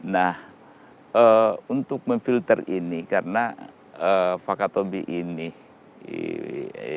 nah untuk memfilter ini karena wakatopi ini seluruh kawasannya adalah kawasan